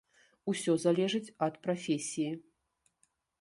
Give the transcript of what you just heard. Усё залежыць ад прафесіі.